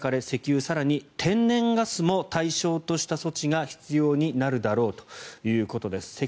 石油、更に天然ガスも対象とした措置が必要になるだろうということです。